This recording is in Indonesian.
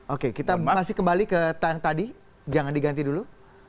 oke kita masih kembali ke yang tadi jangan diganti dulu